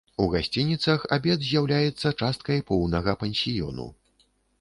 У гасцініцах абед з'яўляецца часткай поўнага пансіёну.